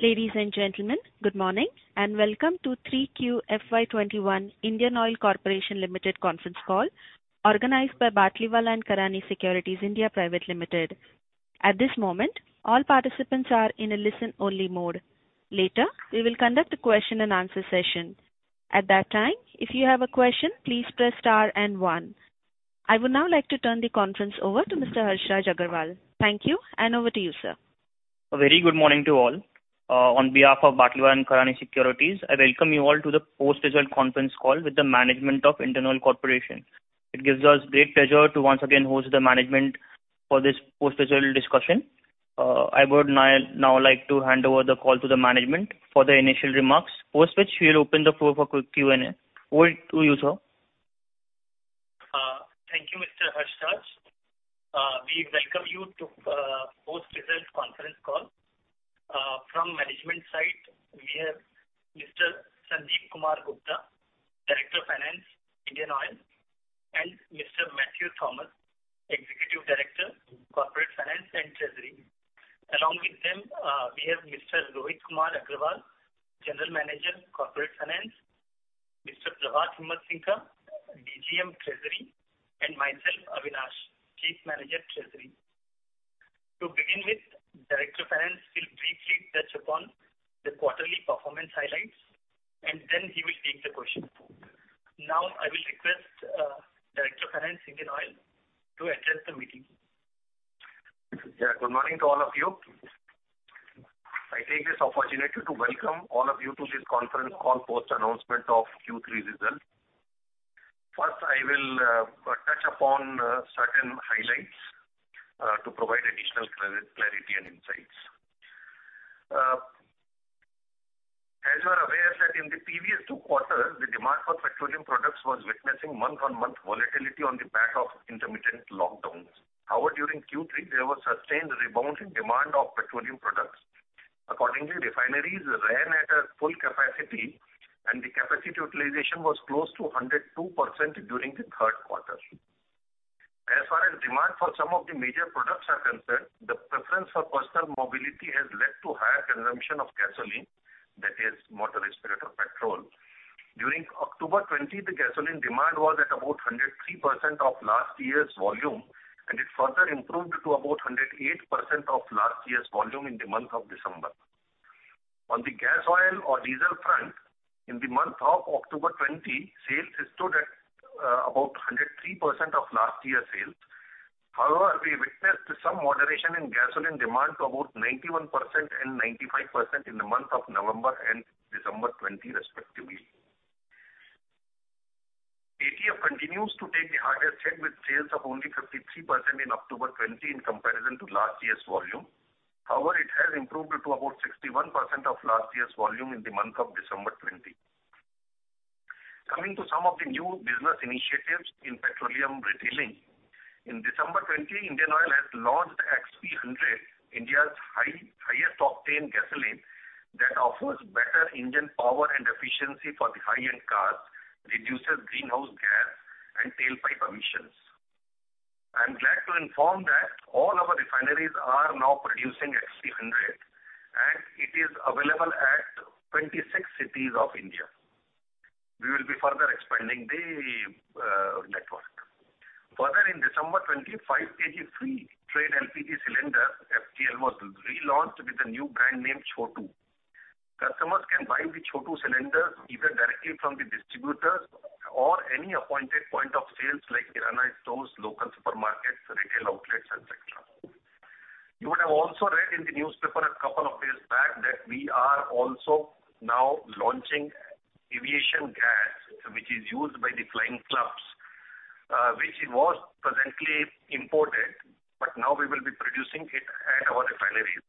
Ladies and gentlemen, good morning and welcome to 3Q FY 2021 Indian Oil Corporation Limited Conference Call organized by Batlivala & Karani Securities India Private Limited. At this moment, all participants are in a listen only mode. Later, we will conduct a question and answer session. At that time, if you have a question, please press star and one. I would now like to turn the conference over to Mr. Harshraj Aggarwal. Thank you, and over to you, sir. A very good morning to all. On behalf of Batlivala & Karani Securities, I welcome you all to the post-result conference call with the management of Indian Oil Corporation. It gives us great pleasure to once again host the management for this post-result discussion. I would now like to hand over the call to the management for the initial remarks, after which we'll open the floor for Q&A. Over to you, sir. Thank you, Mr. Harshraj. We welcome you to post-results conference call. From management side, we have Mr. Sandeep Kumar Gupta, Director of Finance, Indian Oil, and Mr. Matthew Thomas, Executive Director, Corporate Finance and Treasury. Along with them, we have Mr. Rohit Kumar Agrawal, General Manager, Corporate Finance, Mr. Prabhat Himmatsingka, DGM Treasury, and myself, Avinash, Chief Manager, Treasury. To begin with, Director of Finance will briefly touch upon the quarterly performance highlights, and then he will take the questions. Now I will request Director of Finance, Indian Oil, to address the meeting. Yeah, good morning to all of you. I take this opportunity to welcome all of you to this conference call post announcement of Q3 results. First, I will touch upon certain highlights to provide additional clarity and insights. As you are aware that in the previous two quarters, the demand for petroleum products was witnessing month-on-month volatility on the back of intermittent lockdowns. During Q3, there was sustained rebound in demand of petroleum products. Refineries ran at a full capacity, and the capacity utilization was close to 102% during the third quarter. As far as demand for some of the major products are concerned, the preference for personal mobility has led to higher consumption of gasoline, that is motor spirit or petrol. During October 2020, the gasoline demand was at about 103% of last year's volume. It further improved to about 108% of last year's volume in the month of December. On the gas oil or diesel front, in the month of October 2020, sales stood at about 103% of last year's sales. However, we witnessed some moderation in gasoline demand to about 91% and 95% in the month of November and December 2020 respectively. ATF continues to take the hardest hit with sales of only 53% in October 2020 in comparison to last year's volume. However, it has improved to about 61% of last year's volume in the month of December 2020. Coming to some of the new business initiatives in petroleum retailing. In December 2020, Indian Oil has launched XP100, India's highest octane gasoline that offers better engine power and efficiency for the high-end cars, reduces greenhouse gas and tail pipe emissions. I'm glad to inform that all our refineries are now producing XP100 and it is available at 26 cities of India. We will be further expanding the network. Further, in December 2020, 5 kg free trade LPG cylinder, FTL, was relaunched with a new brand name Chhotu. Customers can buy the Chhotu cylinders either directly from the distributors or any appointed point of sales like Kirana stores, local supermarkets, retail outlets, et cetera. You would have also read in the newspaper a couple of days back that we are also now launching aviation gas, which is used by the flying clubs, which was presently imported, but now we will be producing it at our refineries.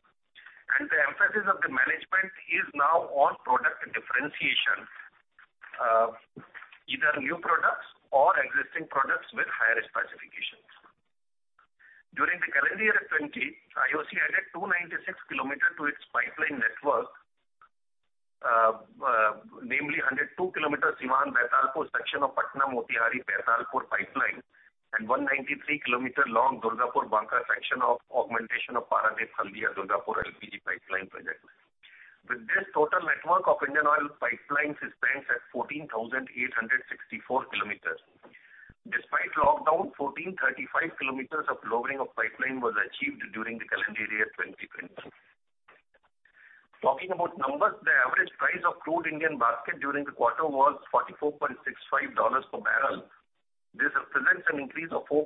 The emphasis of the management is now on product differentiation, either new products or existing products with higher specifications. During the calendar year 2020, IOC added 296 km to its pipeline network, namely 102 km Siwan-Baitalpur section of Patna-Motihari-Baitalpur pipeline and 193 km long Durgapur-Banka section of augmentation of Paradip-Haldia-Durgapur LPG pipeline project. With this, total network of Indian Oil pipelines stands at 14,864 km. Despite lockdown, 1,435 km of lowering of pipeline was achieved during the calendar year 2020. Talking about numbers, the average price of crude Indian basket during the quarter was $44.65 per barrel. This represents an increase of 4%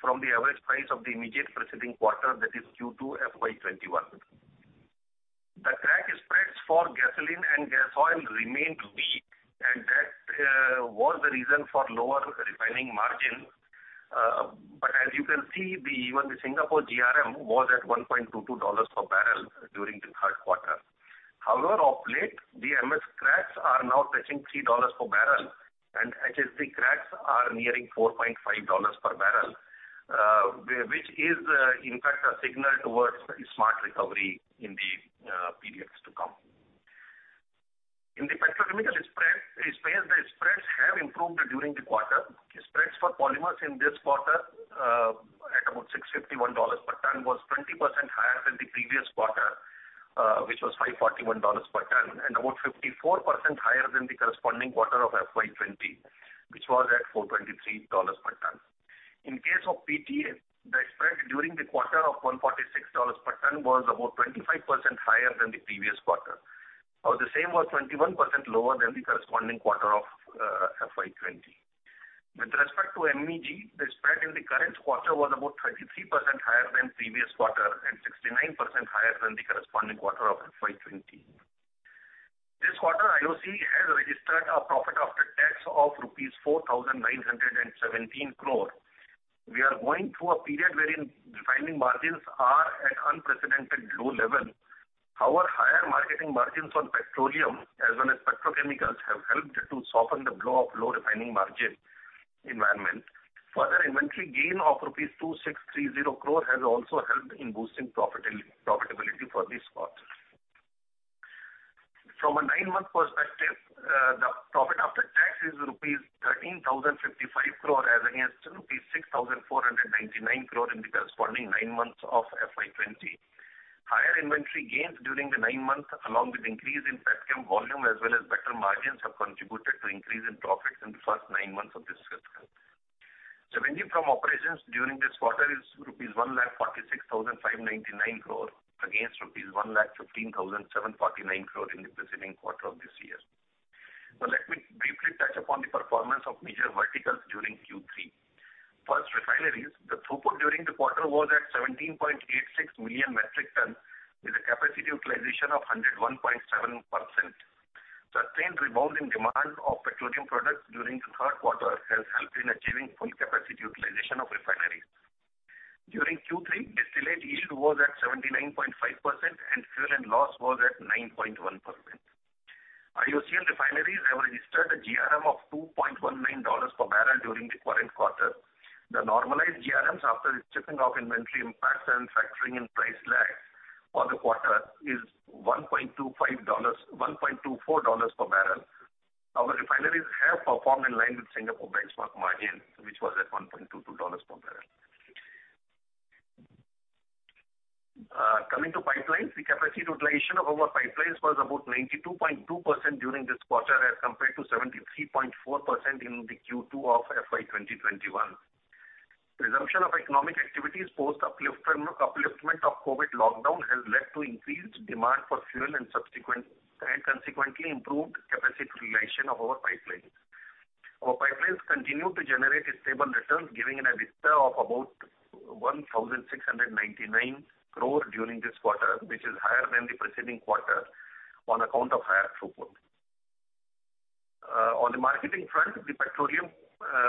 from the average price of the immediate preceding quarter, that is Q2 FY 2021. The crack spreads for gasoline and gas oil remained weak, that was the reason for lower refining margins. As you can see, even the Singapore GRM was at $1.22 per barrel during the third quarter. However, of late, the MS cracks are now touching $3 per barrel and HSD cracks are nearing $4.5 per barrel, which is in fact a signal towards a smart recovery in the periods to come. In the petrochemical space, the spreads have improved during the quarter. Spreads for polymers in this quarter, at about $651 per ton, was 20% higher than the previous quarter, which was $541 per ton, and about 54% higher than the corresponding quarter of FY 2020, which was at $423 per ton. In case of PTA, the spread during the quarter of $146 per ton was about 25% higher than the previous quarter. The same was 21% lower than the corresponding quarter of FY 2020. With respect to MEG, the spread in the current quarter was about 33% higher than previous quarter and 69% higher than the corresponding quarter of FY 2020. This quarter, IOC has registered a profit after tax of rupees 4,917 crore. We are going through a period wherein refining margins are at unprecedented low level. Our higher marketing margins on petroleum as well as petrochemicals have helped to soften the blow of low refining margin environment. Further inventory gain of rupees 2,630 crore has also helped in boosting profitability for this quarter. From a nine-month perspective, the profit after tax is rupees 13,055 crore as against rupees 6,499 crore in the corresponding nine months of FY 2020. Higher inventory gains during the nine months, along with increase in petchem volume, as well as better margins, have contributed to increase in profits in the first nine months of this fiscal. Revenue from operations during this quarter is rupees 1,46,599 crore against rupees 1,15,749 crore in the preceding quarter of this year. Now let me briefly touch upon the performance of major verticals during Q3. First, refineries. The throughput during the quarter was at 17.86 million metric ton, with a capacity utilization of 101.7%. Sustained rebound in demand of petroleum products during the third quarter has helped in achieving full capacity utilization of refineries. During Q3, distillate yield was at 79.5% and fuel and loss was at 9.1%. IOCL refineries have registered a GRM of $2.19 per barrel during the current quarter. The normalized GRMs after stripping off inventory impacts and factoring in price lag for the quarter is $1.24 per barrel. Our refineries have performed in line with Singapore benchmark margin, which was at $1.22 per barrel. Coming to pipelines, the capacity utilization of our pipelines was about 92.2% during this quarter as compared to 73.4% in the Q2 of FY 2021. Resumption of economic activities post upliftment of COVID lockdown has led to increased demand for fuel and consequently improved capacity utilization of our pipelines. Our pipelines continue to generate a stable return, giving an EBITDA of about 1,699 crore during this quarter, which is higher than the preceding quarter on account of higher throughput. On the marketing front, the petroleum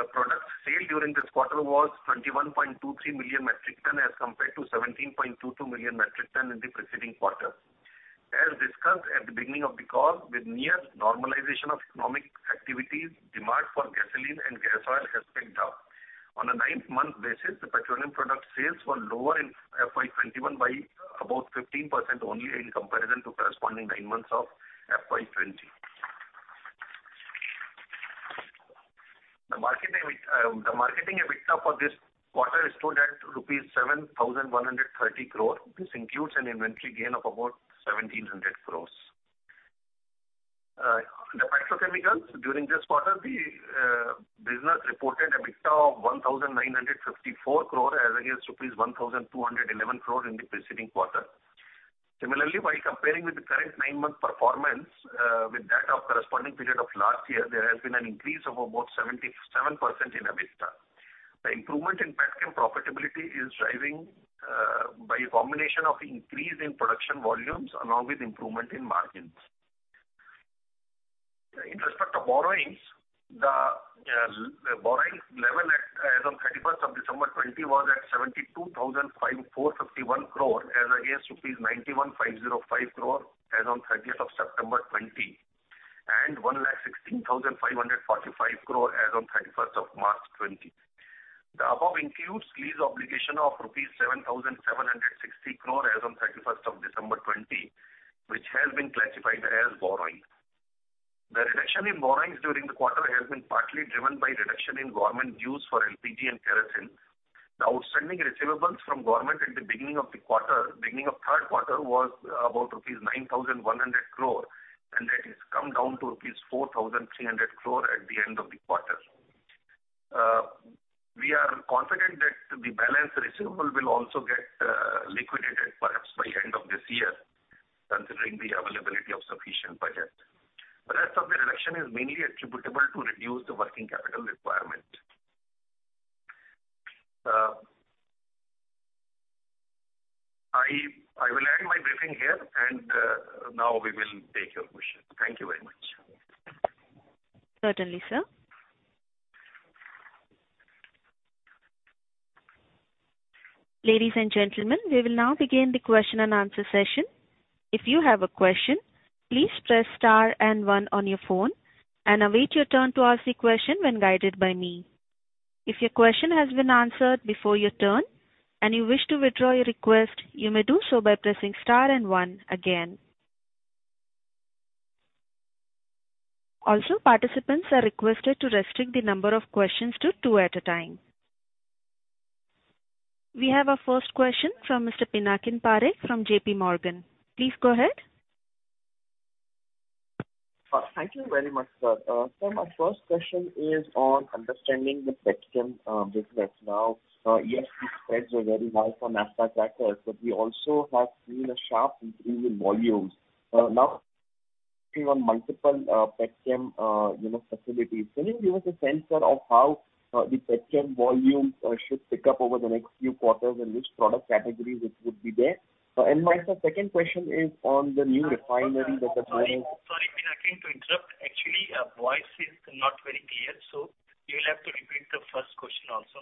products sale during this quarter was 21.23 million metric ton as compared to 17.22 million metric ton in the preceding quarter. As discussed at the beginning of the call, with near normalization of economic activities, demand for gasoline and gas oil has picked up. On a nine-month basis, the petroleum product sales were lower in FY 2021 by about 15% only in comparison to corresponding nine months of FY 2020. The marketing EBITDA for this quarter stood at rupees 7,130 crore. This includes an inventory gain of about 1,700 crore. The petrochemicals. During this quarter, the business reported EBITDA of 1,954 crore as against rupees 1,211 crore in the preceding quarter. Similarly, while comparing with the current nine-month performance with that of corresponding period of last year, there has been an increase of about 77% in EBITDA. The improvement in petchem profitability is driving by a combination of increase in production volumes along with improvement in margins. In respect of borrowings, the borrowings level as on 31st of December 2020 was at 72,451 crore as against rupees 91,505 crore as on 30th of September 2020, and 116,545 crore as on 31st of March 2020. The above includes lease obligation of rupees 7,760 crore as on 31st of December 2020, which has been classified as borrowing. The reduction in borrowings during the quarter has been partly driven by reduction in government dues for LPG and kerosene. The outstanding receivables from government at the beginning of third quarter was about rupees 9,100 crore, and that has come down to rupees 4,300 crore at the end of the quarter. We are confident that the balance receivable will also get liquidated perhaps by end of this year, considering the availability of sufficient budget. Rest of the reduction is mainly attributable to reduced working capital requirement. I will end my briefing here, and now we will take your questions. Thank you very much. Certainly, sir. Ladies and gentlemen, we will now begin the question and answer session. If you have a question, please press star and one on your phone and await your turn to ask the question when guided by me. If your question has been answered before your turn and you wish to withdraw your request, you may do so by pressing star and one again. Also, participants are requested to restrict the number of questions to two at a time. We have our first question from Mr. Pinakin Parekh from JPMorgan. Please go ahead. Thank you very much, sir. Sir, my first question is on understanding the petchem business. Yes, these spreads were very high for naphtha crackers, but we also have seen a sharp increase in volumes on multiple petchem facilities. Can you give us a sense of how the petchem volumes should pick up over the next few quarters and which product categories it would be there? My second question is on the new refinery that the board has- Sorry, Pinakin, to interrupt. Actually, voice is not very clear, so you will have to repeat the first question also.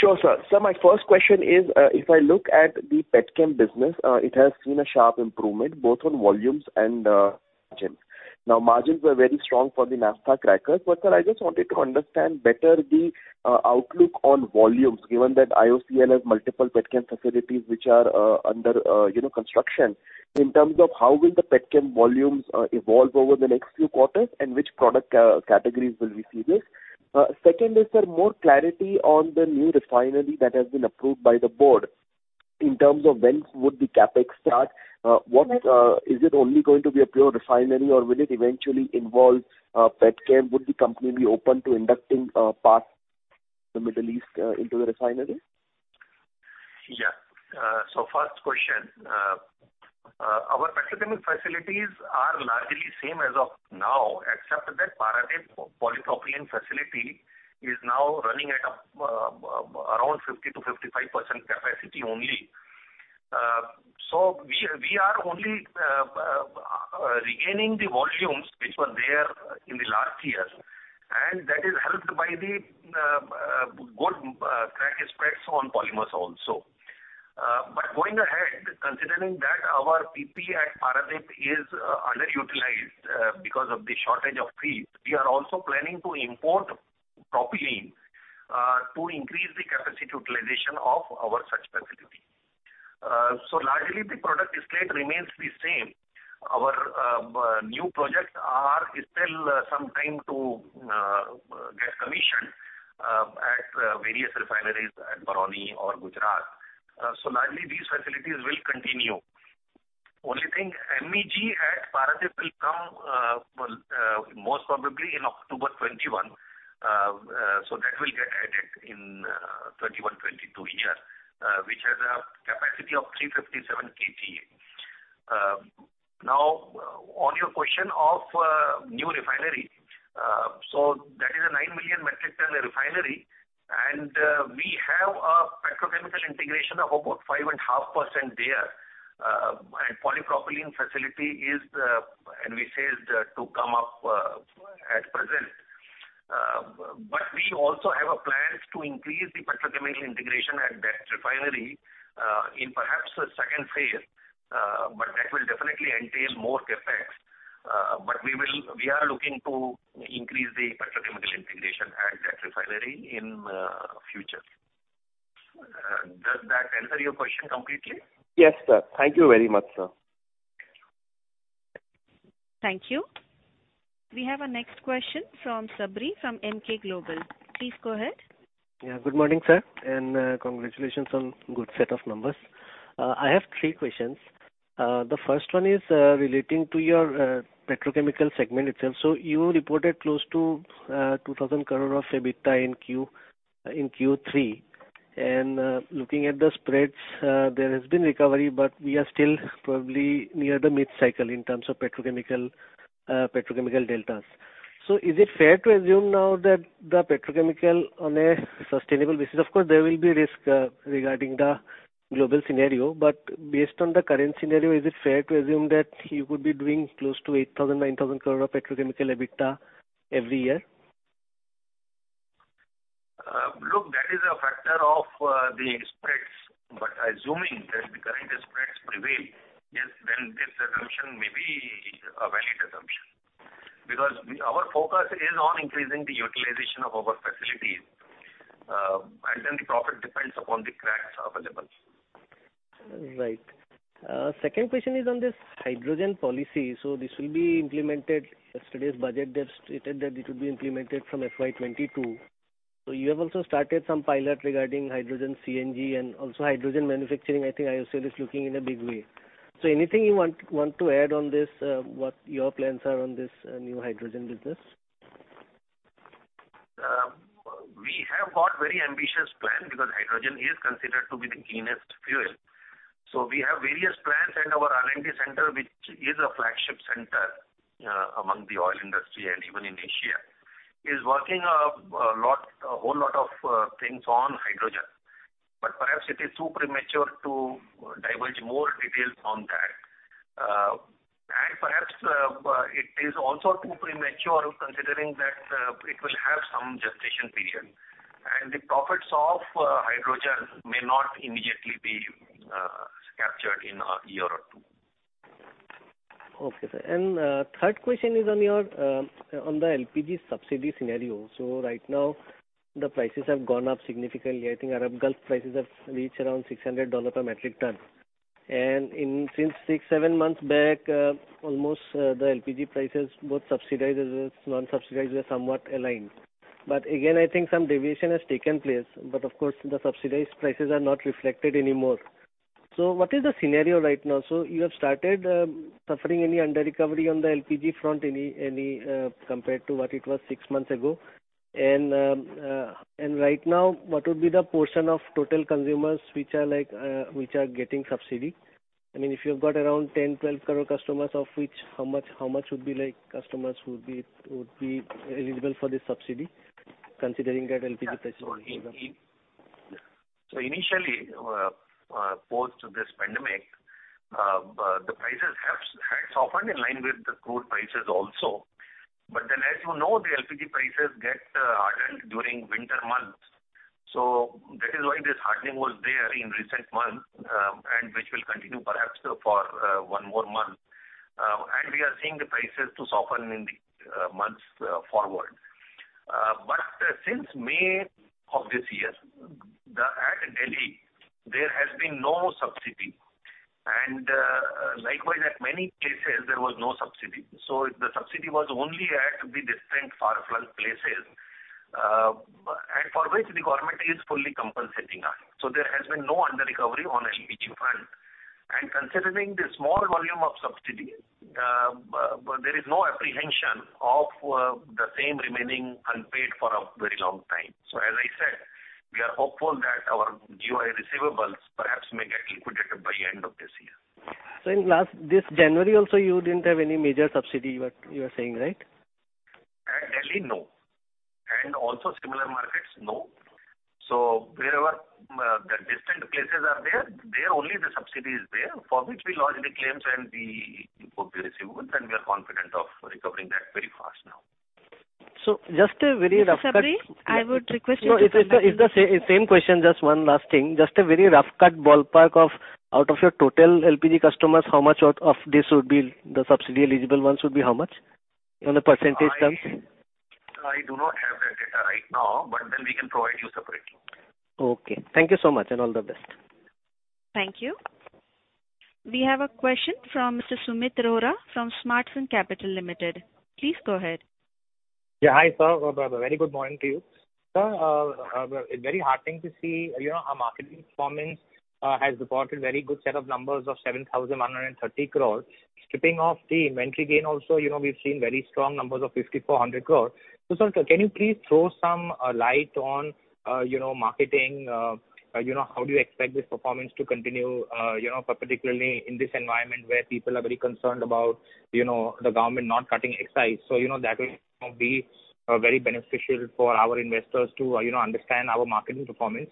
Sure, sir. Sir, my first question is, if I look at the petchem business, it has seen a sharp improvement, both on volumes and margins. Margins were very strong for the naphtha crackers. Sir, I just wanted to understand better the outlook on volumes, given that IOCL has multiple petchem facilities which are under construction. In terms of how will the petchem volumes evolve over the next few quarters and which product categories will we see this? Second is, sir, more clarity on the new refinery that has been approved by the board. In terms of when would the CapEx start. Is it only going to be a pure refinery, or will it eventually involve petchem? Would the company be open to inducting partners from the Middle East into the refinery? First question. Our petrochemical facilities are largely same as of now, except that Paradip polypropylene facility is now running at around 50% to 55% capacity only. We are only regaining the volumes which were there in the last year, and that is helped by the good cracker spreads on polymers also. Going ahead, considering that our PP at Paradip is underutilized because of the shortage of feed, we are also planning to import propylene to increase the capacity utilization of our such facility. Largely, the product slate remains the same. Our new projects are still some time to get commissioned at various refineries at Barauni or Gujarat. Largely, these facilities will continue. Only thing, MEG at Paradip will come most probably in October 2021. That will get added in 2021/2022 year, which has a capacity of 357 KTA. On your question of new refinery. That is a 9 million metric ton refinery, and we have a petrochemical integration of about 5.5% there. Polypropylene facility is in phases to come up at present. We also have a plan to increase the petrochemical integration at that refinery in perhaps a second phase, but that will definitely entail more CapEx. We are looking to increase the petrochemical integration at that refinery in future. Does that answer your question completely? Yes, sir. Thank you very much, sir. Thank you. We have our next question from Sabri from Emkay Global Please go ahead. Yeah, good morning, sir, and congratulations on good set of numbers. I have three questions. The first one is relating to your petrochemical segment itself. You reported close to 2,000 crore of EBITDA in Q3. Looking at the spreads, there has been recovery, but we are still probably near the mid-cycle in terms of petrochemical deltas. Is it fair to assume now that the petrochemical on a sustainable basis. Of course, there will be risk regarding the global scenario. Based on the current scenario, is it fair to assume that you could be doing close to 8,000 crore, 9,000 crore of petrochemical EBITDA every year? Look, that is a factor of the spreads. Assuming that the current spreads prevail, yes, then this assumption may be a valid assumption. Our focus is on increasing the utilization of our facilities, and then the profit depends upon the cracks available. Right. Second question is on this hydrogen policy. This will be implemented. Yesterday's budget, they've stated that it will be implemented from FY 2022. You have also started some pilot regarding hydrogen CNG and also hydrogen manufacturing. I think IOCL is looking in a big way. Anything you want to add on this, what your plans are on this new hydrogen business? We have got very ambitious plan because hydrogen is considered to be the cleanest fuel. We have various plans in our R&D center, which is a flagship center among the oil industry and even in Asia, is working a whole lot of things on hydrogen. Perhaps it is too premature to divulge more details on that. Perhaps it is also too premature considering that it will have some gestation period, and the profits of hydrogen may not immediately be captured in a year or two. Okay, sir. Third question is on the LPG subsidy scenario. Right now, the prices have gone up significantly. I think Arab Gulf prices have reached around $600 per metric ton. Since six, seven months back, almost the LPG prices, both subsidized as well as non-subsidized, were somewhat aligned. Again, I think some deviation has taken place, but of course, the subsidized prices are not reflected anymore. What is the scenario right now? You have started suffering any under recovery on the LPG front compared to what it was six months ago? Right now, what would be the portion of total consumers which are getting subsidy? I mean, if you've got around 10, 12 crore customers, of which how much would be customers who would be eligible for this subsidy considering that LPG prices have gone up? Initially, post this pandemic, the prices had softened in line with the crude prices also. As you know, the LPG prices get hardened during winter months. That is why this hardening was there in recent months, and which will continue perhaps for one more month. We are seeing the prices to soften in the months forward. Since May of this year, at Delhi, there has been no subsidy, and likewise, at many places, there was no subsidy. The subsidy was only at the distant far-flung places, and for which the Government is fully compensating us. There has been no under recovery on LPG front. Considering the small volume of subsidy, there is no apprehension of the same remaining unpaid for a very long time. As I said, we are hopeful that our GOI receivables perhaps may get liquidated by end of this year. In this January also, you didn't have any major subsidy, you are saying, right? At Delhi, no. Also similar markets, no. Wherever the distant places are there only the subsidy is there, for which we lodge the claims and we book the receivables, and we are confident of recovering that very fast now. So just a very rough cut- Mr. Sabri, I would request to No, it's the same question, just one last thing. Just a very rough cut ballpark of out of your total LPG customers, how much of this would be the subsidy eligible ones would be how much on a percentage terms? I do not have that data right now, but then we can provide you separately. Okay. Thank you so much, and all the best. Thank you. We have a question from Mr. Sumeet Rohra from Smartsun Capital Limited. Please go ahead. Hi, sir. A very good morning to you. Sir, a very heartening to see our marketing performance has reported very good set of numbers of 7,130 crore. Stripping off the inventory gain also, we've seen very strong numbers of 5,400 crore. Sir, can you please throw some light on marketing, how do you expect this performance to continue particularly in this environment where people are very concerned about the government not cutting excise? That will be very beneficial for our investors to understand our marketing performance.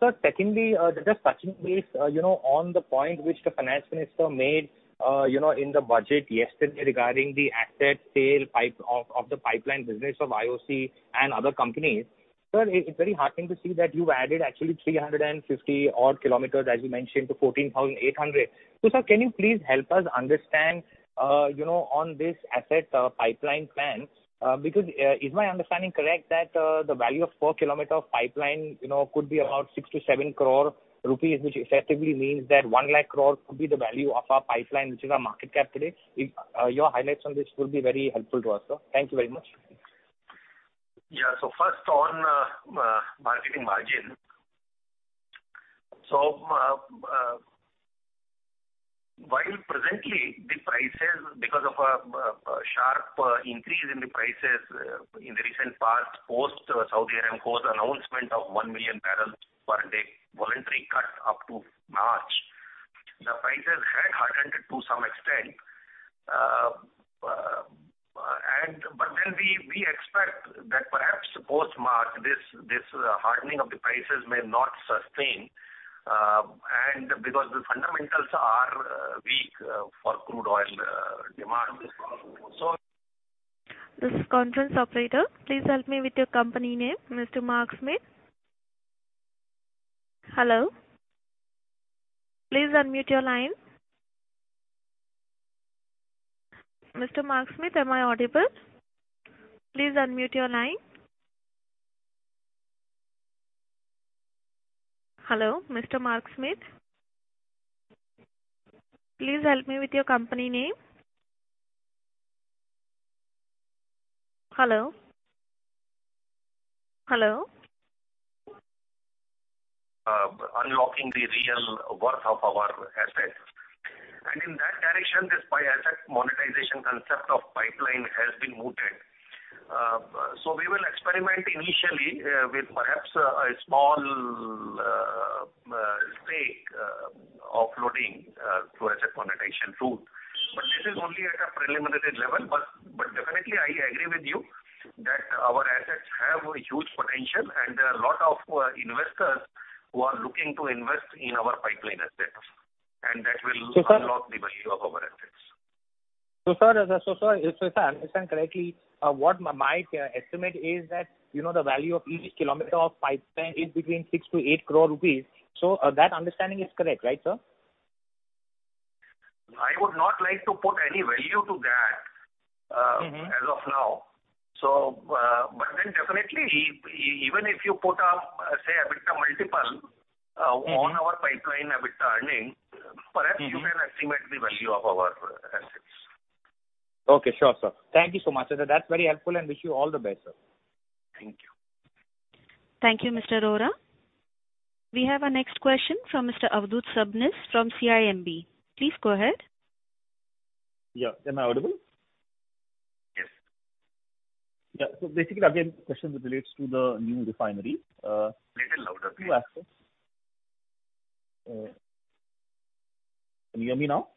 Sir, secondly, just touching base on the point which the finance minister made in the budget yesterday regarding the asset sale of the pipeline business of IOC and other companies. Sir, it's very heartening to see that you added actually 350 odd kilometers, As you mentioned, to 14,800 km. Sir, can you please help us understand on this asset pipeline plan? Is my understanding correct that the value of four kilometer of pipeline could be about 6 crore-7 crore rupees, which effectively means that 100,000 crore could be the value of our pipeline, which is our market cap today. Your highlights on this would be very helpful to us, sir. Thank you very much. First on marketing margin. While presently the prices, because of a sharp increase in the prices in the recent past, post Saudi Aramco's announcement of 1 million barrels per day, voluntary cut up to March, the prices had hardened to some extent. We expect that perhaps post-March, this hardening of the prices may not sustain, and because the fundamentals are weak for crude oil demand. Please help me with your company name, Mr. Mark Smith. Hello. Please unmute your line. Mr. Mark Smith, am I audible? Please unmute your line. Hello, Mr. Mark Smith. Please help me with your company name. Hello? Hello? Unlocking the real worth of our assets. In that direction, this asset monetization concept of pipeline has been mooted. We will experiment initially with perhaps a small stake offloading through asset monetization route. This is only at a preliminary level. Definitely I agree with you that our assets have a huge potential, and there are a lot of investors who are looking to invest in our pipeline assets. So sir- Unlock the value of our assets. Sir, if I understand correctly, my estimate is that the value of each kilometer of pipeline is between 6 crore-8 crore rupees. That understanding is correct, right, sir? I would not like to put any value to that as of now. Definitely, even if you put up, say, EBITDA multiple on our pipeline, EBITDA earning, perhaps you can estimate the value of our assets. Okay, sure, sir. Thank you so much. That's very helpful, and wish you all the best, sir. Thank you. Thank you, Mr. Rohra. We have our next question from Mr. Avadhoot Sabnis from CIMB. Please go ahead. Yeah. Am I audible? Yes. Yeah. Basically, again, question relates to the new refinery. Little louder, please. Two aspects. Can you hear me now?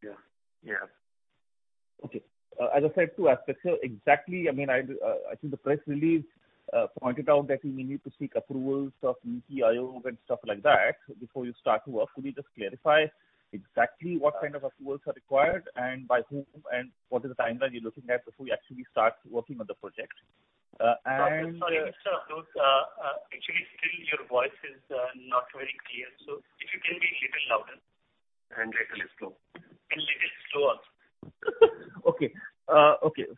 Yeah. Okay. As I said, two aspects here. I think the press release pointed out that you may need to seek approvals of NITI Aayog and stuff like that before you start to work. Could you just clarify exactly what kind of approvals are required, and by whom, and what is the timeline you're looking at before you actually start working on the project? Sorry, Mr. Avadhoot. Actually, still your voice is not very clear. If you can be a little louder. Little slow. Little slow also. Okay.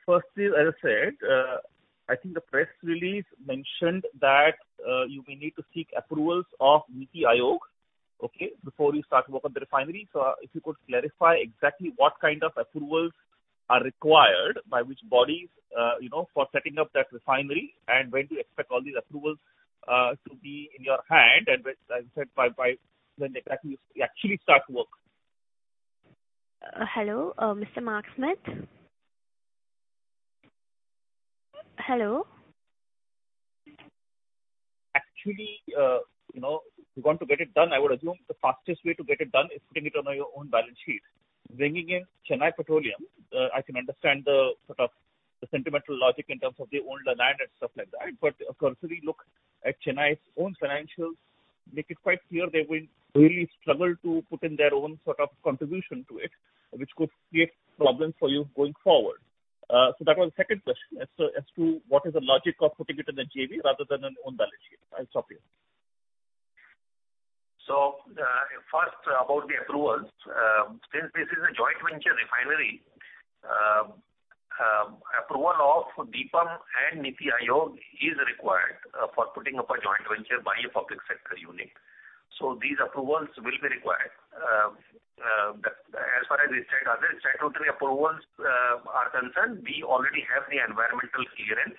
Firstly, as I said, I think the press release mentioned that you may need to seek approvals of NITI Aayog, okay, before you start to work on the refinery. If you could clarify exactly what kind of approvals are required, by which bodies for setting up that refinery, and when do you expect all these approvals to be in your hand, and as you said, when exactly you actually start to work. Hello, Mr. Mark Smith. Hello? Actually, if you want to get it done, I would assume the fastest way to get it done is putting it on your own balance sheet. Bringing in Chennai Petroleum, I can understand the sentimental logic in terms of they own the land and stuff like that. A cursory look at Chennai's own financials make it quite clear they will really struggle to put in their own contribution to it, which could create problems for you going forward. That was the second question, as to what is the logic of putting it in a JV rather than on own balance sheet. I'll stop here. First, about the approvals. Since this is a joint venture refinery, approval of DIPAM and NITI Aayog is required for putting up a joint venture by a public sector unit. These approvals will be required. As far as other statutory approvals are concerned, we already have the environmental clearance,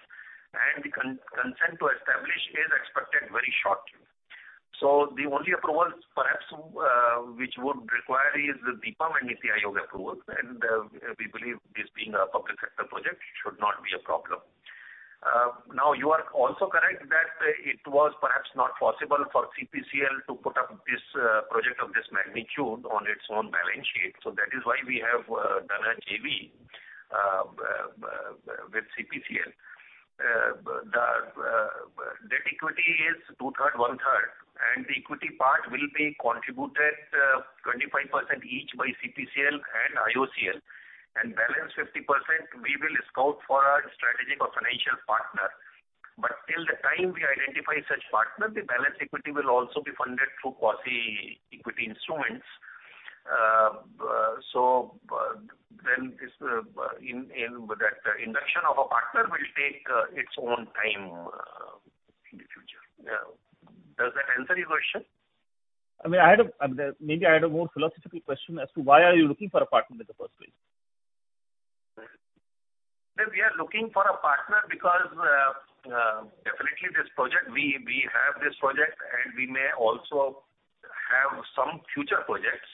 and the consent to establish is expected very shortly. The only approvals, perhaps, which would require is DIPAM and NITI Aayog approval, and we believe this being a public sector project, it should not be a problem. You are also correct that it was perhaps not possible for CPCL to put up this project of this magnitude on its own balance sheet. That is why we have done a JV with CPCL. The debt equity is two-third, one-third, and the equity part will be contributed 25% each by CPCL and IOCL. Balance 50%, we will scout for our strategic or financial partner. Till the time we identify such partner, the balance equity will also be funded through quasi-equity instruments. That induction of a partner will take its own time in the future. Does that answer your question? Maybe I had a more philosophical question as to why are you looking for a partner in the first place? We are looking for a partner because definitely this project, we have this project, and we may also have some future projects,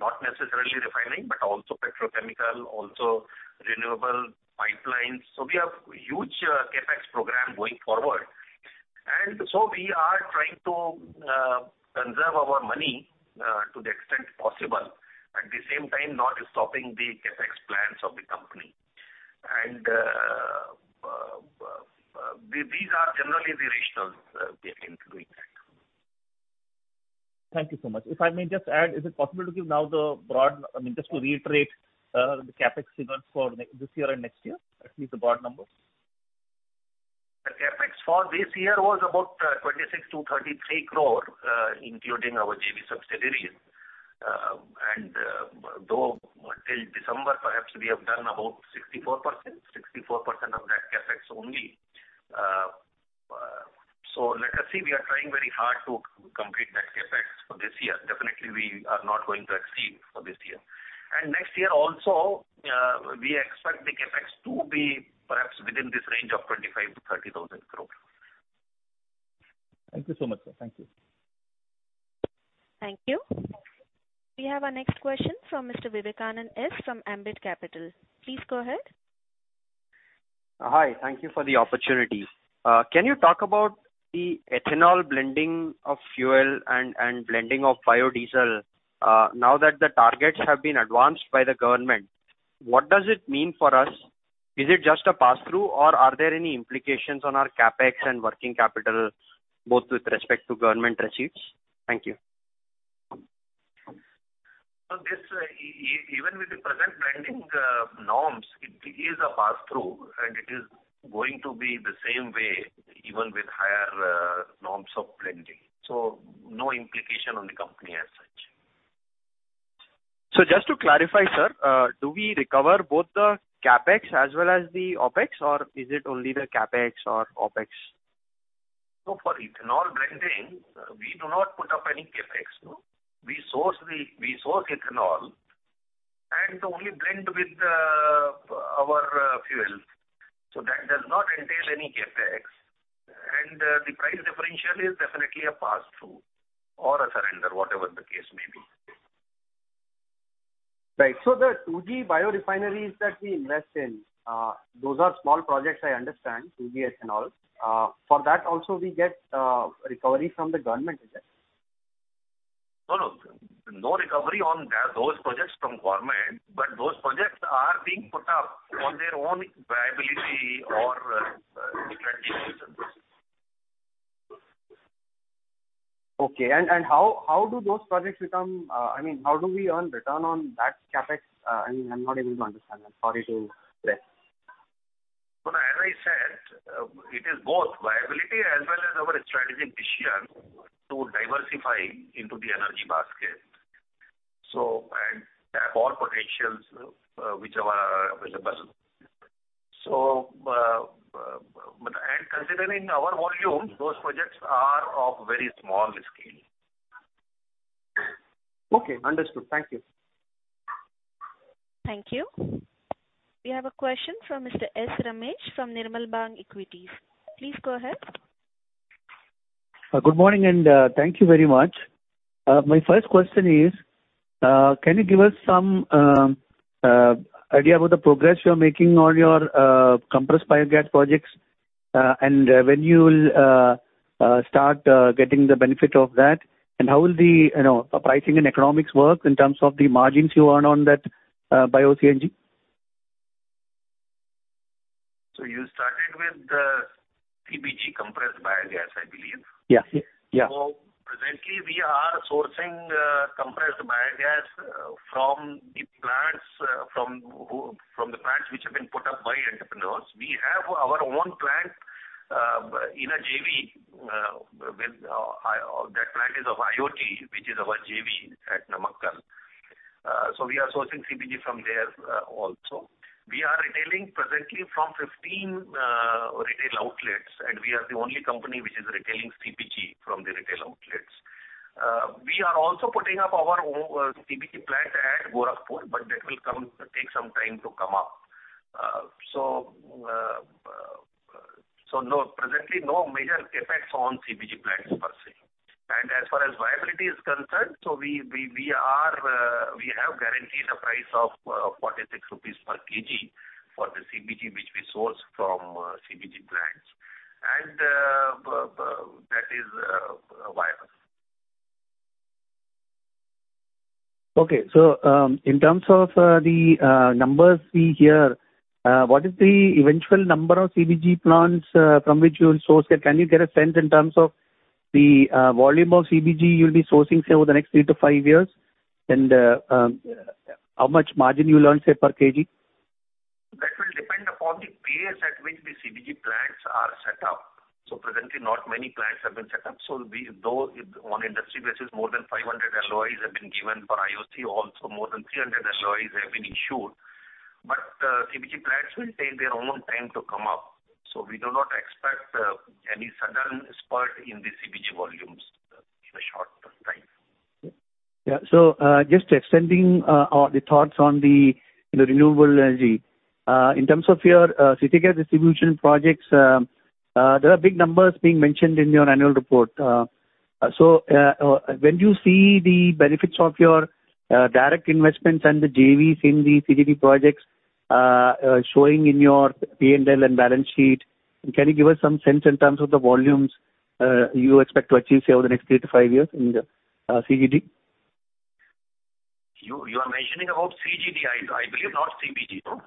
not necessarily refining, but also petrochemical, also renewable pipelines. We have huge CapEx program going forward. We are trying to conserve our money to the extent possible. At the same time, not stopping the CapEx plans of the company. These are generally the rationales behind doing that. Thank you so much. If I may just add, is it possible to give now the broad, just to reiterate, the CapEx figures for this year and next year? At least the broad numbers. The CapEx for this year was about 26,233 crore, including our JV subsidiaries. Though till December, perhaps we have done about 64% of that CapEx only. Let us see. We are trying very hard to complete that CapEx for this year. Definitely, we are not going to exceed for this year. Next year also, we expect the CapEx to be perhaps within this range of 25,000 crore-30,000 crore. Thank you so much, sir. Thank you. Thank you. We have our next question from Mr. Vivekanand S. from Ambit Capital. Please go ahead. Hi. Thank you for the opportunity. Can you talk about the ethanol blending of fuel and blending of biodiesel now that the targets have been advanced by the government? What does it mean for us? Is it just a passthrough, or are there any implications on our CapEx and working capital, both with respect to government receipts? Thank you. Sir, even with the present blending norms, it is a pass-through, and it is going to be the same way even with higher norms of blending. No implication on the company as such. Just to clarify, sir, do we recover both the CapEx as well as the OpEx, or is it only the CapEx or OpEx? For ethanol blending, we do not put up any CapEx. We source ethanol and only blend with our fuel. That does not entail any CapEx, and the price differential is definitely a pass-through or a surrender, whatever the case may be. Right. The 2G biorefineries that we invest in, those are small projects, I understand, 2G ethanol. For that also, we get recovery from the government, is that correct? No. No recovery on those projects from government, but those projects are being put up on their own viability or strategic reasons. Okay. How do we earn return on that CapEx? I'm not able to understand. I'm sorry to press. As I said, it is both viability as well as our strategic decision to diversify into the energy basket and tap all potentials which are available. Considering our volume, those projects are of very small scale. Okay, understood. Thank you. Thank you. We have a question from Mr. S. Ramesh from Nirmal Bang Equities. Please go ahead. Good morning, and thank you very much. My first question is, can you give us some idea about the progress you're making on your compressed biogas projects, and when you'll start getting the benefit of that? How will the pricing and economics work in terms of the margins you earn on that bio-CNG? You started with the CBG, compressed biogas, I believe. Yes. Presently, we are sourcing compressed biogas from the plants which have been put up by entrepreneurs. We have our own plant in a JV. That plant is of IOT, which is our JV at Namakkal. We are sourcing CBG from there also. We are retailing presently from 15 retail outlets, and we are the only company which is retailing CBG from the retail outlets. We are also putting up our own CBG plant at Gorakhpur, that will take some time to come up. Presently, no major CapEx on CBG plants per se. As far as viability is concerned, we have guaranteed a price of 46 rupees per kg for the CBG which we source from CBG plants. That is viable. Okay. In terms of the numbers we hear, what is the eventual number of CBG plants from which you will source it? Can you get a sense in terms of the volume of CBG you'll be sourcing, say, over the next three to five years? How much margin you will earn, say, per kg? That will depend upon the pace at which the CBG plants are set up. Presently, not many plants have been set up. On industry basis, more than 500 LOIs have been given for IOC, also more than 300 LOIs have been issued. CBG plants will take their own time to come up. We do not expect any sudden spurt in the CBG volumes in a short time. Just extending the thoughts on the renewable energy. In terms of your city gas distribution projects, there are big numbers being mentioned in your annual report. When do you see the benefits of your direct investments and the JVs in the CGD projects showing in your P&L and balance sheet? Can you give us some sense in terms of the volumes you expect to achieve, say, over the next three to five years in the CGD? You are mentioning about CGD, I believe, not CBG, no?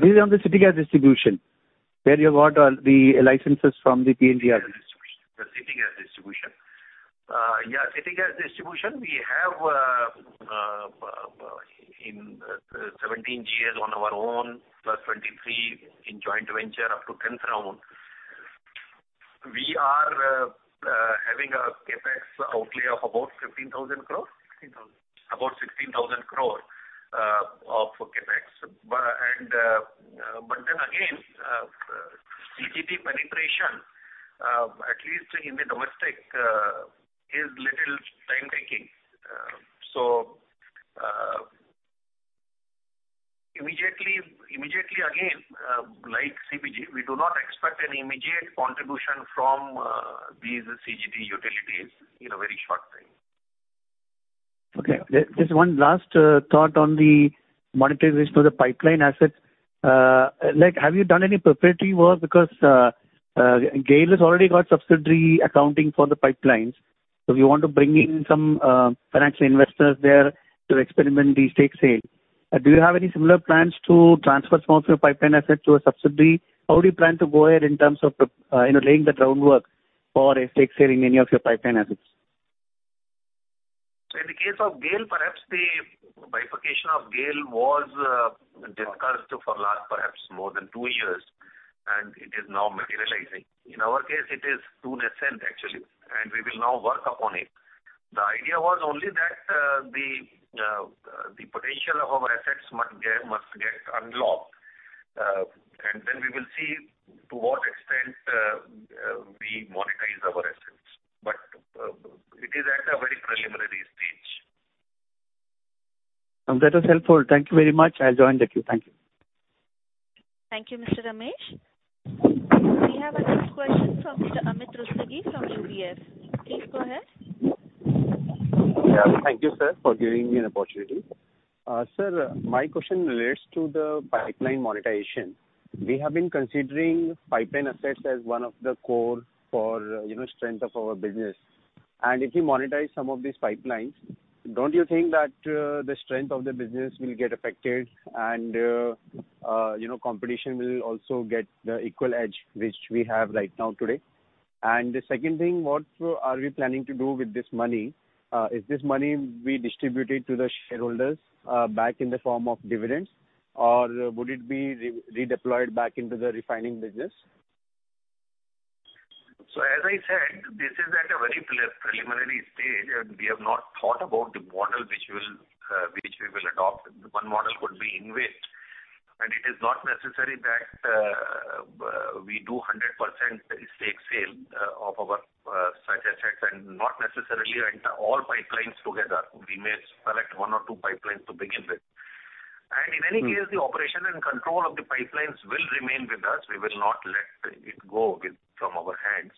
This is on the city gas distribution, where you got the licenses from the PNGRB. The City Gas Distribution. City Gas Distribution, we have 17 GAs on our own, plus 23 in joint venture up to 10th round. We are having a CapEx outlay of about 15,000 crore. About 16,000 crore of CapEx. CGD penetration, at least in the domestic, is little time-taking. Like CBG, we do not expect any immediate contribution from these CGD utilities in a very short time. Okay. Just one last thought on the monetization of the pipeline assets. Have you done any preparatory work? GAIL has already got subsidiary accounting for the pipelines. If you want to bring in some financial investors there to experiment the stake sale. Do you have any similar plans to transfer some of your pipeline assets to a subsidiary? How do you plan to go ahead in terms of laying the groundwork, or a stake sale in any of your pipeline assets? In the case of GAIL, perhaps the bifurcation of GAIL was discussed for last, perhaps more than two years, and it is now materializing. In our case, it is too nascent, actually, and we will now work upon it. The idea was only that the potential of our assets must get unlocked, and then we will see to what extent we monetize our assets. It is at a very preliminary stage. That was helpful. Thank you very much. I'll join the queue. Thank you. Thank you, Mr. Ramesh. We have a next question from Mr. Amit Rustagi from UBS. Please go ahead. Yeah. Thank you, sir, for giving me an opportunity. Sir, my question relates to the pipeline monetization. We have been considering pipeline assets as one of the core for strength of our business. If you monetize some of these pipelines, don't you think that the strength of the business will get affected and competition will also get the equal edge which we have right now today? The second thing, what are we planning to do with this money? Is this money being distributed to the shareholders back in the form of dividends, or would it be redeployed back into the refining business? As I said, this is at a very preliminary stage, and we have not thought about the model which we will adopt. One model could be InvIT, and it is not necessary that we do 100% stake sale of such assets, and not necessarily all pipelines together. We may select one or two pipelines to begin with. In any case, the operation and control of the pipelines will remain with us. We will not let it go from our hands.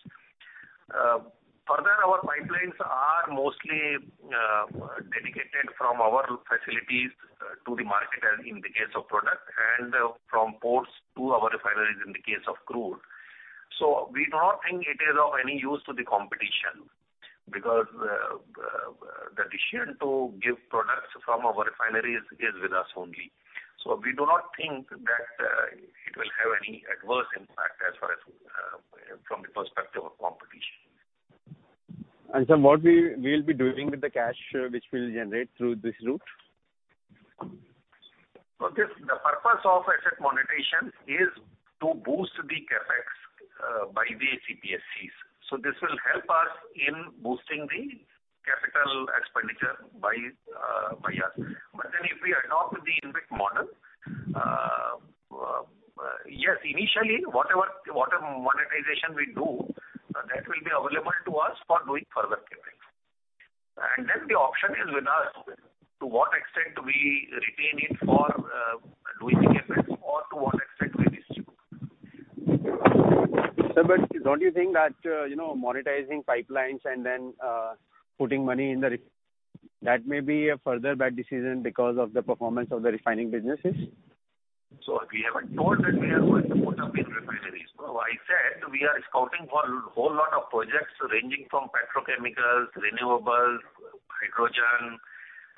Further, our pipelines are mostly dedicated from our facilities to the market, and in the case of product, and from ports to our refineries in the case of crude. We do not think it is of any use to the competition, because the decision to give products from our refineries is with us only. We do not think that it will have any adverse impact as far as from the perspective of competition. Sir, what we will be doing with the cash which we'll generate through this route? The purpose of asset monetization is to boost the CapEx by the CPSEs. This will help us in boosting the capital expenditure by us. If we adopt the InvIT model, yes, initially, whatever monetization we do, that will be available to us for doing further CapEx. The option is with us, to what extent we retain it for doing the CapEx or to what extent we distribute. Sir, don't you think that monetizing pipelines and then putting money in the refineries that may be a further bad decision because of the performance of the refining businesses? We haven't told that we are going to put up in refineries. No, I said we are scouting for whole lot of projects ranging from petrochemicals, renewables, hydrogen,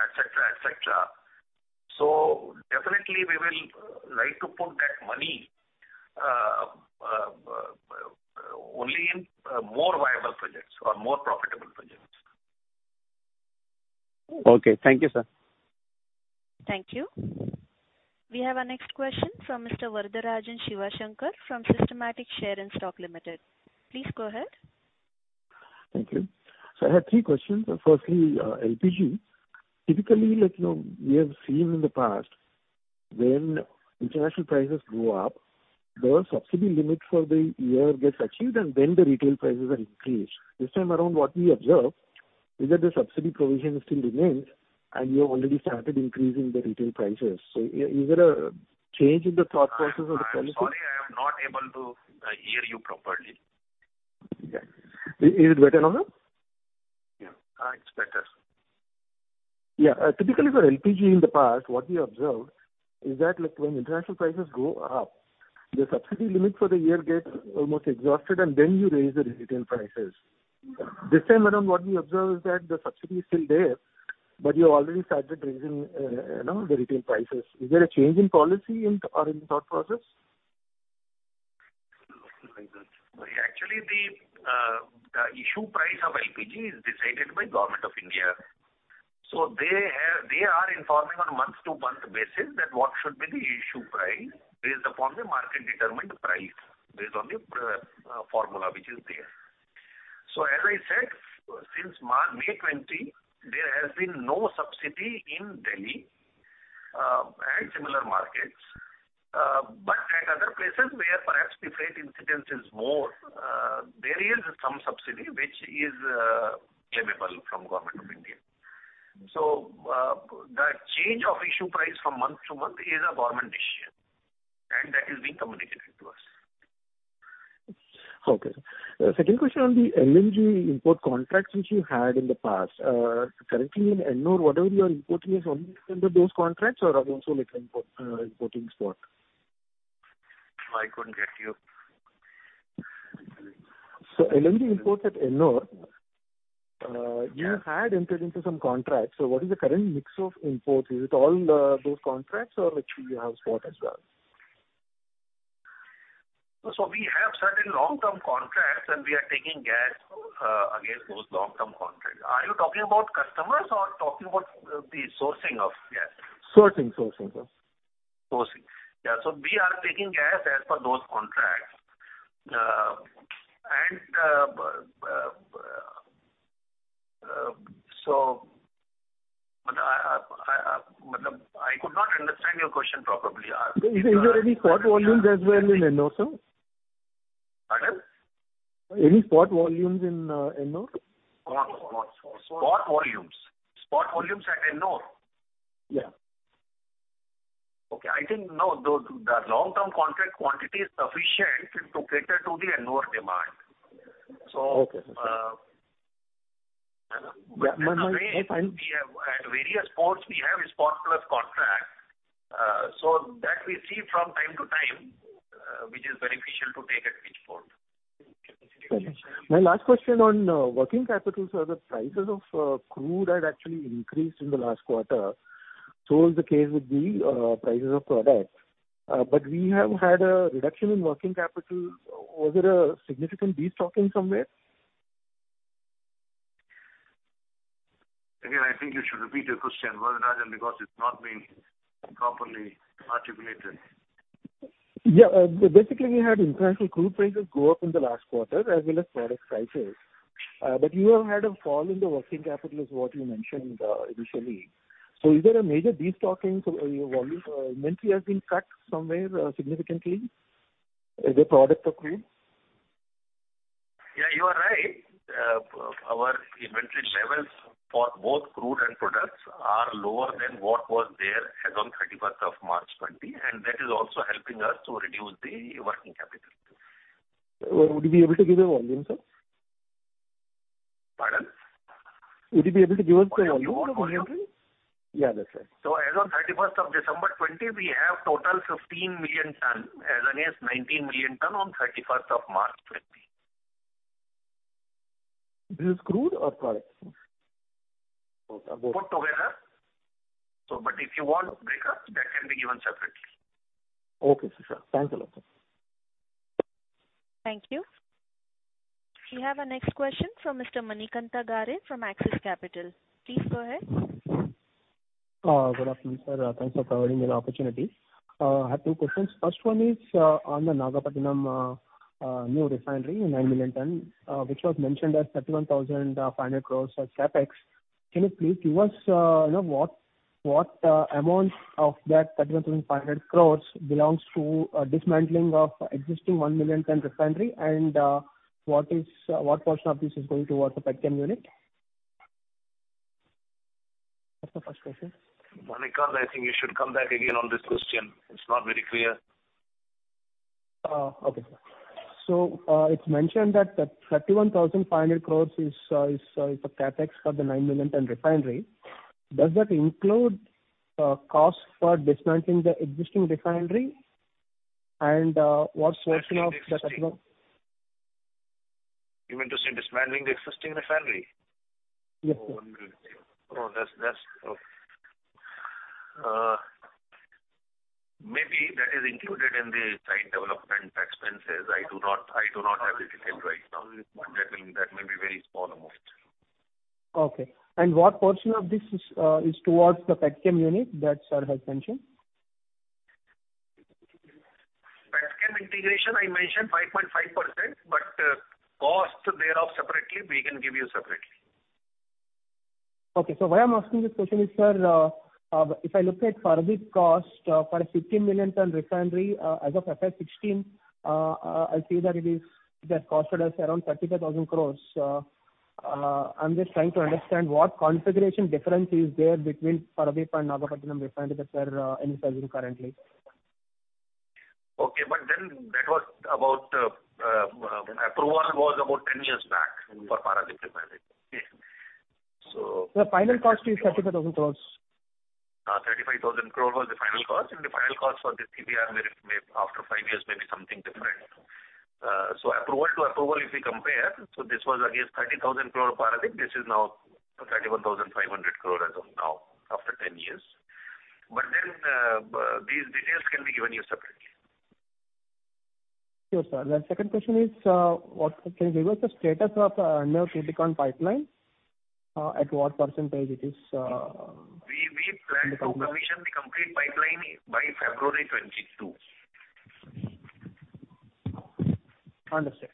et cetera. Definitely, we will like to put that money only in more viable projects or more profitable projects. Okay. Thank you, sir. Thank you. We have our next question from Mr. Varatharajan Sivasankaran from Systematix Shares and Stocks Limited. Please go ahead. Thank you. I have three questions. Firstly, LPG. Typically, we have seen in the past, when international prices go up, the subsidy limit for the year gets achieved and then the retail prices are increased. This time around, what we observed is that the subsidy provision still remains, and you have already started increasing the retail prices. Is there a change in the thought process of the policy? I'm sorry, I'm not able to hear you properly. Yeah. Is it better now, sir? Yeah. It's better. Yeah. Typically, for LPG in the past, what we observed is that when international prices go up, the subsidy limit for the year gets almost exhausted, and then you raise the retail prices. This time around, what we observe is that the subsidy is still there, but you already started raising the retail prices. Is there a change in policy or in thought process? Actually, the issue price of LPG is decided by Government of India. They are informing on month-to-month basis that what should be the issue price based upon the market-determined price, based on the formula which is there. As I said, since May 20, there has been no subsidy in Delhi and similar markets. At other places where perhaps deficit incidence is more, there is some subsidy which is claimable from Government of India. The change of issue price from month to month is a government issue, and that is being communicated to us. Okay. Second question on the LNG import contracts which you had in the past. Currently in Ennore, whatever you are importing is only under those contracts or also importing spot? I couldn't get you. LNG imports at Ennore. You had entered into some contracts. What is the current mix of imports? Is it all those contracts or which you have got as well? We have certain long-term contracts and we are taking gas against those long-term contracts. Are you talking about customers or talking about the sourcing of gas? Sourcing, sir. Sourcing. Yeah. We are taking gas as per those contracts. I could not understand your question properly. Is there any spot volumes as well in Ennore, sir? Pardon? Any spot volumes in Ennore? Spot volumes. Spot volumes at Ennore? Yeah. Okay. I think no. The long-term contract quantity is sufficient to cater to the Ennore demand. Okay, sir. At various ports we have is spot plus contract. That we see from time to time, which is beneficial to take at which port. Got it. My last question on working capital, sir. The prices of crude had actually increased in the last quarter. Is the case with the prices of products. We have had a reduction in working capital. Was there a significant destocking somewhere? Again, I think you should repeat your question, Varatharajan, because it's not being properly articulated. We had incremental crude prices go up in the last quarter, as well as product prices. You have had a fall in the working capital is what you mentioned initially. Is there a major destocking, so your volume inventory has been cut somewhere significantly as a product of crude? Yeah, you are right. Our inventory levels for both crude and products are lower than what was there as on 31st of March 2020, and that is also helping us to reduce the working capital. Would you be able to give a volume, sir? Pardon? Would you be able to give us a volume on inventory? You want volume? Yeah, that's right. As of 31st of December 2020, we have total 15 million ton as against 19 million ton on 31st of March 2020. This is crude or products? Or both? Put together. If you want breakup, that can be given separately. Okay, Sandeep. Thanks a lot, sir. Thank you. We have our next question from Mr. Manikantha Garre from Axis Capital. Please go ahead. Good afternoon, sir. Thanks for providing an opportunity. I have two questions. First one is, on the Nagapattinam new refinery, 9 million tons, which was mentioned as 31,500 crores of CapEx. Can you please give us what amount of that 31,500 crores belongs to dismantling of existing 1 million tons refinery, and what portion of this is going towards the petchem unit? That's the first question. Manikantha, I think you should come back again on this question. It is not very clear. Okay, sir. It's mentioned that the 31,500 crore is the CapEx for the 9 million ton refinery. Does that include cost for dismantling the existing refinery and what portion of the.. You mean to say dismantling the existing refinery? Yes. Maybe that is included in the site development expenses. I do not have it right now. That may be very small amount. Okay. What portion of this is towards the petchem unit that sir has mentioned? Petchem integration, I mentioned 5.5%, but cost thereof separately, we can give you separately. Okay. Why I'm asking this question is, sir, if I look at Paradip cost for a 15 million ton refinery, as of FY 2016, I see that it has costed us around 35,000 crores. I'm just trying to understand what configuration difference is there between Paradip and Nagapattinam refinery that they're envisaging currently. Okay, approval was about ten years back for Paradip refinery. Sir, final cost is 35,000 crores. 35,000 crore was the final cost, and the final cost for this could be after 5 years may be something different. Approval to approval, if we compare, this was against 30,000 crore Paradip. This is now 31,500 crore as of now, after 10 years. These details can be given you separately. Sure, sir. The second question is, can you give us the status of Ennore-Tuticorin pipeline? We plan to commission the complete pipeline by February 2022. Understood.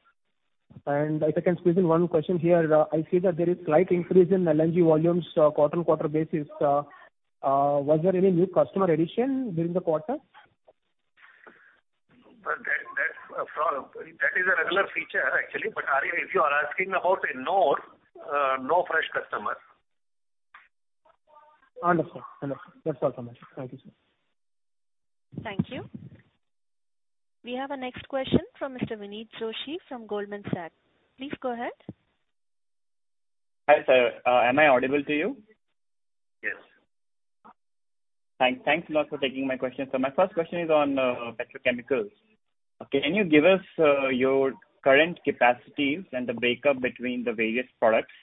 If I can squeeze in one question here, I see that there is slight increase in LNG volumes quarter-on-quarter basis. Was there any new customer addition during the quarter? That is a regular feature, actually. If you are asking about Ennore, no fresh customer. Understood, sir. That's all from my side. Thank you, sir. Thank you. We have our next question from Mr. Vinit Joshi from Goldman Sachs. Please go ahead. Hi, sir. Am I audible to you? Yes. Thanks a lot for taking my questions. My first question is on petrochemicals. Can you give us your current capacities and the breakup between the various products?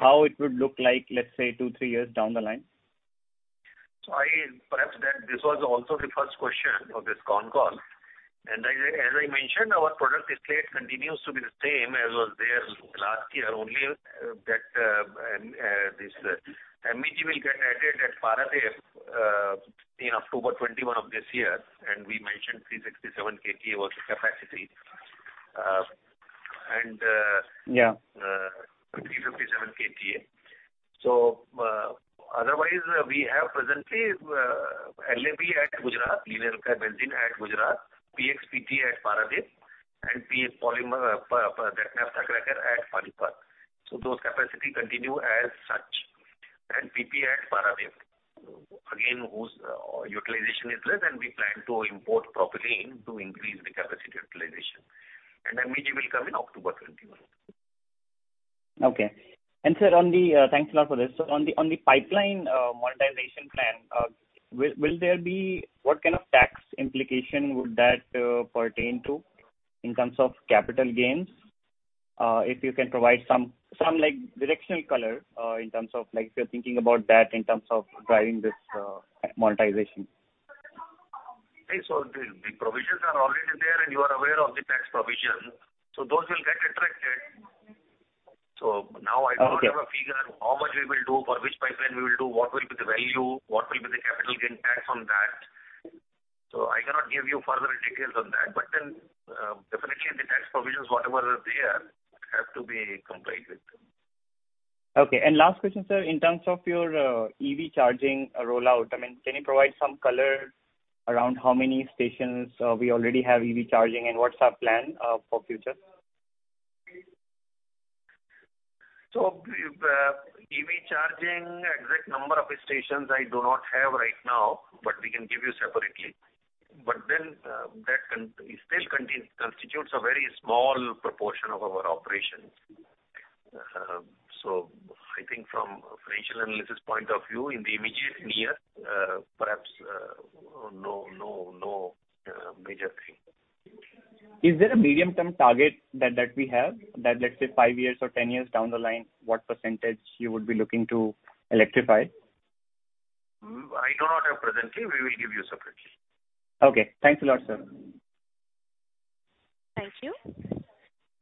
How it would look like, let's say, two, three years down the line? Perhaps this was also the first question of this con call. As I mentioned, our product slate continues to be the same as was there last year, only that this MEG will get added at Paradip in October 2021 of this year, and we mentioned 367 KTA was the capacity. Yeah. 357 KTA. Otherwise, we have presently LAB at Gujarat, linear alkyl benzene at Gujarat, PX/PTA at Paradip, and PP polymer, that naphtha cracker at Panipat. Those capacity continue as such. PP at Paradip. Again, whose utilization is less, and we plan to import propylene to increase the capacity utilization. MEG will come in October 2021. Okay. Thanks a lot for this. On the pipeline monetization plan, what kind of tax implication would that pertain to in terms of capital gains? If you can provide some directional color, in terms of if you're thinking about that in terms of driving this monetization. The provisions are already there, and you are aware of the tax provision. Those will get attracted. Now I do not have a figure, how much we will do, for which pipeline we will do, what will be the value, what will be the capital gain tax on that. I cannot give you further details on that. Definitely the tax provisions, whatever are there, have to be complied with. Okay. Last question, sir. In terms of your EV charging rollout, can you provide some color around how many stations we already have EV charging, and what's our plan for future? EV charging, exact number of stations I do not have right now, we can give you separately. That still constitutes a very small proportion of our operations. I think from a financial analysis point of view, in the immediate near, perhaps no major thing. Is there a medium-term target that we have that, let's say, five years or 10 years down the line, what percentage you would be looking to electrify? I do not have presently. We will give you separately. Okay, thanks a lot, sir. Thank you.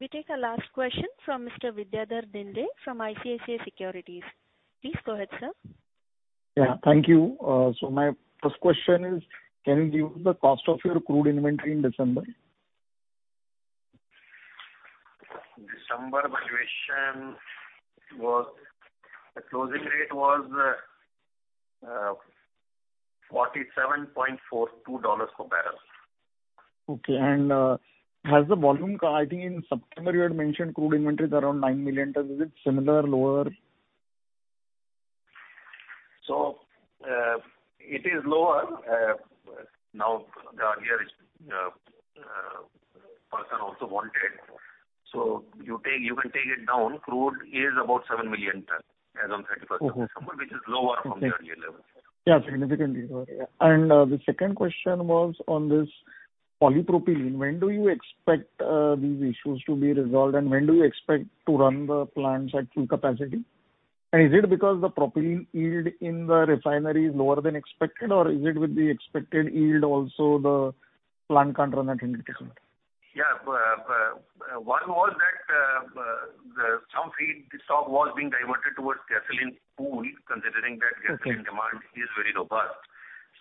We take a last question from Mr. Vidyadhar Ginde from ICICI Securities. Please go ahead, sir. Yeah. Thank you. My first question is, can you give the cost of your crude inventory in December? December valuation, the closing rate was $47.42 per barrel. Okay. I think in September you had mentioned crude inventories around nine million tons. Is it similar, lower? It is lower. The earlier person also wanted. You can take it down. Crude is about 7 million tons as on 31st December, which is lower from the earlier level. Yeah, significantly lower, yeah. The second question was on this polypropylene. When do you expect these issues to be resolved, and when do you expect to run the plants at full capacity? Is it because the propylene yield in the refinery is lower than expected, or is it with the expected yield also, the plant can't run at full capacity? Yeah. One was that some feedstock was being diverted towards gasoline pool, considering that gasoline demand is very robust.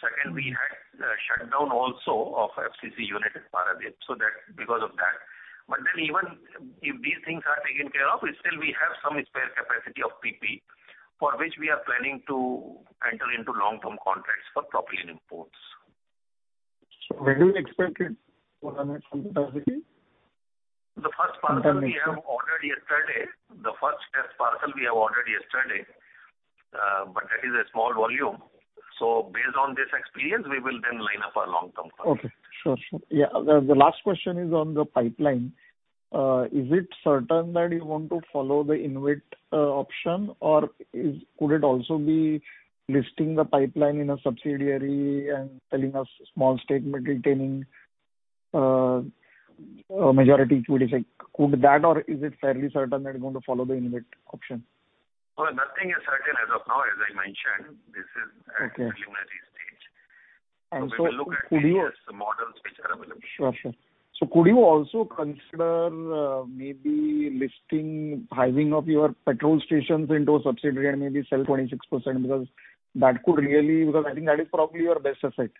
Second, we had a shutdown also of FCC unit at Paradip, so because of that. Even if these things are taken care of, still we have some spare capacity of PP, for which we are planning to enter into long-term contracts for propylene imports. When do you expect it to run at full capacity? The first parcel we have ordered yesterday. The first test parcel we have ordered yesterday, but that is a small volume. Based on this experience, we will then line up our long-term contracts. Okay. Sure. Yeah. The last question is on the pipeline. Is it certain that you want to follow the InvIT option, or could it also be listing the pipeline in a subsidiary and selling a small stake, but retaining a majority equity stake? Could that, or is it fairly certain that you're going to follow the InvIT option? Nothing is certain as of now, as I mentioned. This is at preliminary stage. Okay. We will look at various models which are available. Sure. Could you also consider maybe listing hiving off your petrol stations into a subsidiary and maybe sell 26%? I think that is probably your best asset.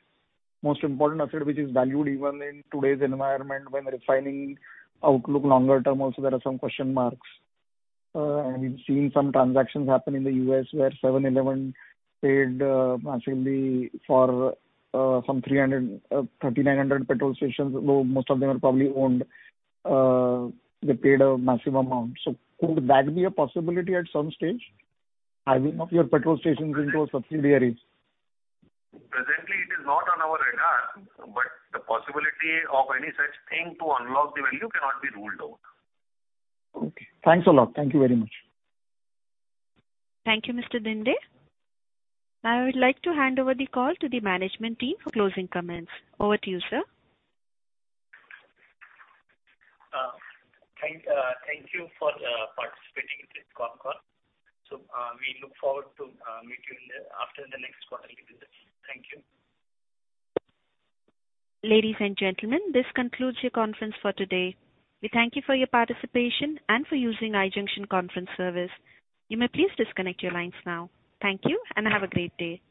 Most important asset, which is valued even in today's environment when refining outlook longer term also, there are some question marks. We've seen some transactions happen in the U.S. where 7-Eleven paid massively for some 3,900 petrol stations, though most of them are probably owned. They paid a massive amount. Could that be a possibility at some stage? Hiving off your petrol stations into subsidiaries. Presently it is not on our radar, but the possibility of any such thing to unlock the value cannot be ruled out. Okay. Thanks a lot. Thank you very much. Thank you, Mr. Ginde. I would like to hand over the call to the management team for closing comments. Over to you, sir. Thank you for participating in this con call. We look forward to meet you after the next quarterly results. Thank you. Ladies and gentlemen, this concludes your conference for today. We thank you for your participation and for using iJunxion Conference Service. You may please disconnect your lines now. Thank you, and have a great day.